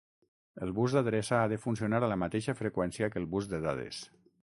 El bus d'adreça ha de funcionar a la mateixa freqüència que el bus de dades.